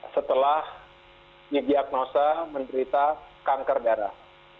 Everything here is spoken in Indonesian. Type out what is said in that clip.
setelah didiagnosa menderita kanker darah